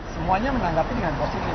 semuanya menanggapi dengan positif